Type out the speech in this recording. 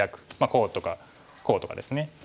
こうとかこうとかですね。